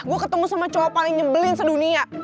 gue ketemu sama cowok paling nyebelin sedunia